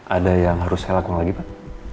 ada yang harus saya lakukan lagi pak